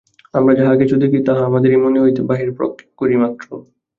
আমরা যাহা কিছু দেখি, তাহা আমাদেরই মন হইতে বাহিরে প্রক্ষেপ করি মাত্র।